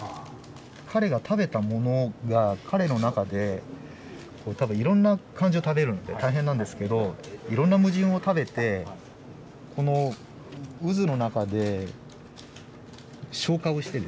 彼が食べたものが彼の中で多分いろんな感情を食べるんで大変なんですけどいろんな矛盾を食べてこの渦の中で消化をしてですね。